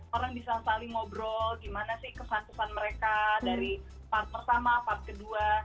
orang bisa saling ngobrol gimana sih kesan kesan mereka dari part pertama part kedua